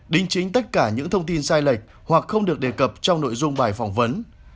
đính chính tất cả những thông tin sai lệch hoặc không được đề cập trong nội dung bài phỏng vấn